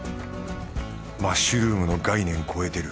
マッシュルームの概念超えてる。